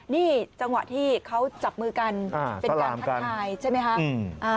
นี่จังหวะที่เขาจับมือกันเป็นการทักทายใช่ไหมคะ